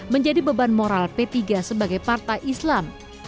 menjadi beban moral p tiga sebagai partai islam